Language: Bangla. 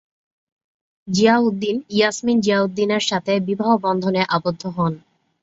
জিয়াউদ্দিন "ইয়াসমিন জিয়াউদ্দিনে"র সাথে বিবাহ বন্ধনে আবদ্ধ হন।